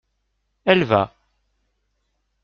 Elle va.